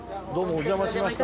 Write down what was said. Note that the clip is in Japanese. お邪魔致しました。